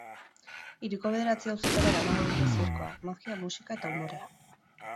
Hiriko bederatzi auzoetara eramango dute zirkoa, magia, musika eta umorea.